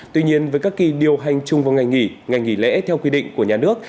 tuy nhiên với các kỳ điều hành chung vào ngày nghỉ ngày nghỉ lễ theo quy định của nhà nước